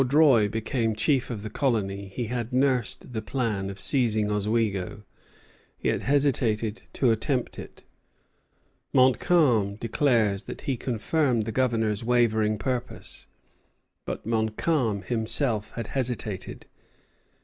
Since Vaudreuil became chief of the colony he had nursed the plan of seizing Oswego, yet hesitated to attempt it. Montcalm declares that he confirmed the Governor's wavering purpose; but Montcalm himself had hesitated.